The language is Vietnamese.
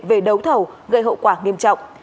về đấu thầu gây hậu quả nghiêm trọng